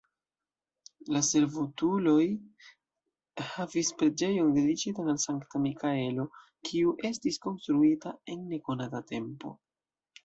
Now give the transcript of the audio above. La servutuloj havis preĝejon dediĉitan al Sankta Mikaelo, kiu estis konstruita en nekonata tempo.